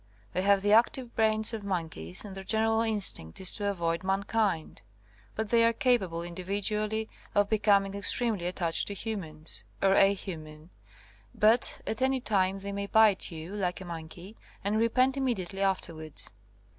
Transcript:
They have the active brains of monkeys, and their gen eral instinct is to avoid mankind, but they are capable individually of becoming ex tremely attached to humans — or a human — but at any time they may bite you, like a monkey, and repent immediately afterwards.